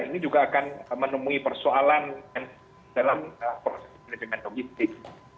ini juga akan menemui persoalan dalam proses manajemen logistik